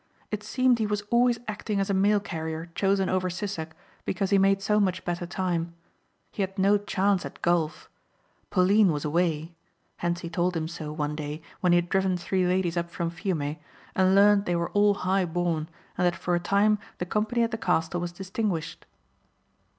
It seemed he was always acting as a mail carrier chosen over Sissek because he made so much better time. He had no chance at golf. Pauline was away. Hentzi told him so one day when he had driven three ladies up from Fiume and learned they were all high born and that for a time the company at the castle was distinguished.